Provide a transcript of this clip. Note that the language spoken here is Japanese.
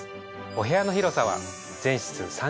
お部屋の広さは。